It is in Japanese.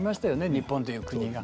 日本という国が。